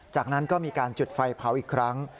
จากนั้นก็มีการจุดไฟเผาอีกครั้ง